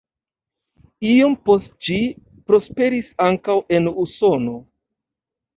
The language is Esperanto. Iom poste ĝi prosperis ankaŭ en Usono.